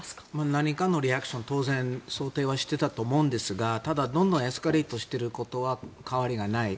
何かのリアクション当然想定はしていたと思うんですがただ、どんどんエスカレートしていることには変わりはない。